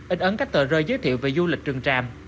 ít ấn các tờ rơi giới thiệu về du lịch rừng tràm